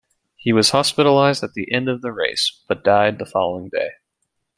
He was hospitalised at the end of the race, but died the following day.